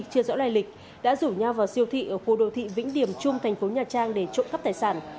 chưa rõ loài lịch đã rủ nhau vào siêu thị ở khu đô thị vĩnh điểm trung thành phố nhà trang để trộm cắp tài sản